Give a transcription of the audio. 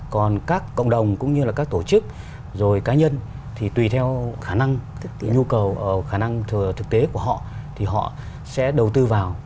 còn các cộng đồng cũng như là các tổ chức rồi cá nhân thì tùy theo khả năng nhu cầu khả năng thực tế của họ thì họ sẽ đầu tư vào